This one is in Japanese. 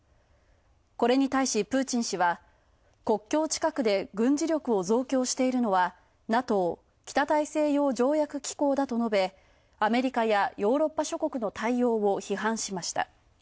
これに対しプーチン氏は国境近くで軍事力を増強しているのは、ＮＡＴＯ＝北大西洋条約機構だと述べアメリカやヨーロッパを批判しました。